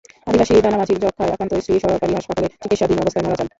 আদিবাসী দানা মাঝির যক্ষ্মায় আক্রান্ত স্ত্রী সরকারি হাসপাতালে চিকিৎসাধীন অবস্থায় মারা যান।